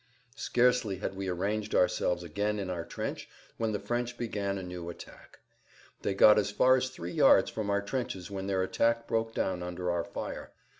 Scarcely had we arranged ourselves again in our trench when the French began a new attack. They got as far as three yards from our trenches when their attack broke down under our fire.